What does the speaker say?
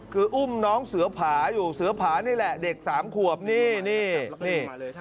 คืออุ้มน้องเสือผาอยู่เสือผานี่แหละเด็กสามขวบนี่นี่